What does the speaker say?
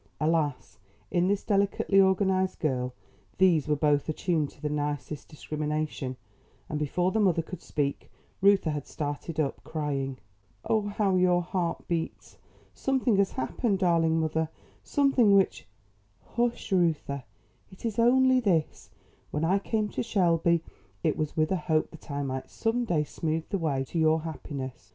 Alas, in this delicately organised girl these were both attuned to the nicest discrimination, and before the mother could speak, Reuther had started up, crying: "Oh, how your heart beats! Something has happened, darling mother; something which " "Hush, Reuther; it is only this: When I came to Shelby it was with a hope that I might some day smooth the way to your happiness.